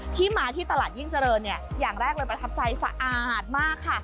ที่มาที่ตลาดยิ่งเจริญเนี่ยอย่างแรกเลยประทับใจสะอาดมากค่ะ